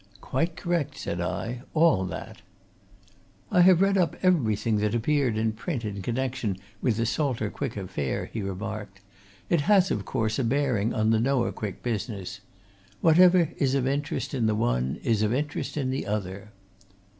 "Quite correct," said I. "All that!" "I have read up everything that appeared in print in connection with the Salter Quick affair," he remarked. "It has, of course, a bearing on the Noah Quick business. Whatever is of interest in the one is of interest in the other."